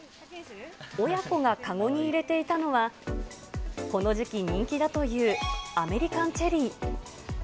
親子が籠に入れていたのは、この時期、人気だというアメリカンチェリー。